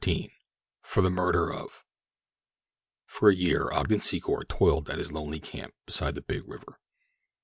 — "FOR THE MURDER OF—" For a year Ogden Secor toiled at his lonely camp beside the big river.